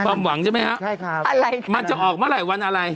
ความหวังใช่ไหมฮะใช่ครับอะไรคะมันจะออกเมื่อไหร่วันอะไร